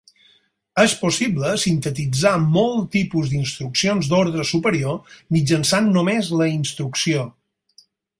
És possible sintetitzar molts tipus d'instruccions d'ordre superior mitjançant només la instrucció.